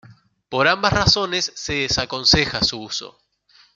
Por ambas razones se desaconseja su uso.